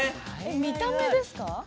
見た目ですか？